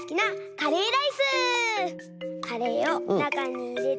カレーをなかにいれて。